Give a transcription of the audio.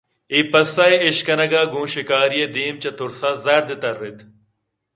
اے پسّہ ئے اِشکنگ ءَ گوں شکاریءِ دیم چہ تُرس ءَ زرد ترّ اِت